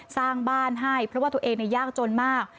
สร้างบ้านให้เพราะว่าตัวเองยากจนมาก